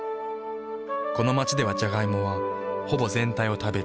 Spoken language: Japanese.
この街ではジャガイモはほぼ全体を食べる。